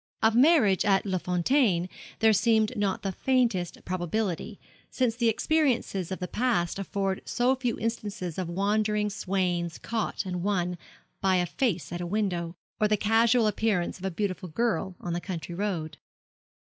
Of marriage at Les Fontaines there seemed not the faintest probability, since the experiences of the past afford so few instances of wandering swains caught and won by a face at a window, or the casual appearance of a beautiful girl on a country road.